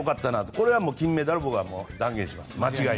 これは金メダル僕は断言します。